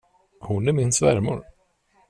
Hon är min svärmor.